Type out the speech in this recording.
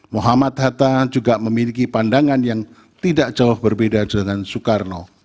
muhammad hatta juga memiliki pandangan yang tidak jauh berbeda dengan soekarno